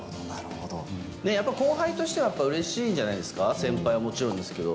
やっぱ、後輩としてはやっぱりうれしいんじゃないですか、先輩ももちろんですけど。